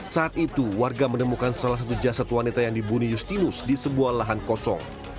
saat itu warga menemukan salah satu jasad wanita yang dibunuh justinus di sebuah lahan kosong